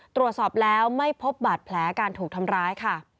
ตรวจสอบแล้วไม่พบบาดแผลการถูกทำร้ายค่ะ